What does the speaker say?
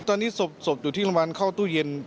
ตอนนี้ศพอยู่ที่โรงพยาบาลเข้าตู้เย็น